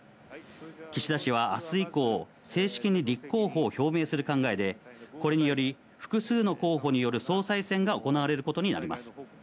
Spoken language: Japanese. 岸田氏はあす以降、正式に立候補を表明する考えで、これにより、複数の候補による総裁選が行われることになります。